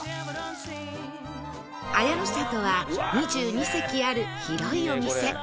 綾の里は２２席ある広いお店